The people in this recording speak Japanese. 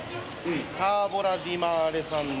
「ターヴォラディマーレさんの」